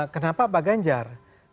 kenapa pak ganjar